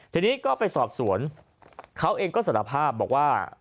ทีนี้ก็ไปสอบสวนเขาเองก็สารภาพบอกว่า